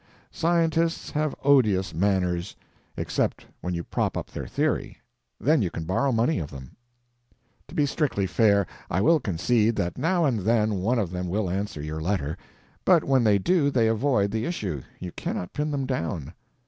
Scientists have odious manners, except when you prop up their theory; then you can borrow money of them. To be strictly fair, I will concede that now and then one of them will answer your letter, but when they do they avoid the issue—you cannot pin them down.